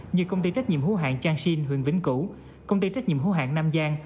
như công ty trách nhiệm hữu hạng changshin huyện vĩnh cửu công ty trách nhiệm hữu hạng nam giang